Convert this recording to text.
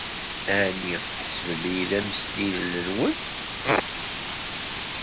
Ɛni tḥesbem-iyi d amsillel-nwen?